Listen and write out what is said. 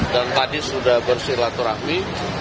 dan tadi sudah bersilaturahmi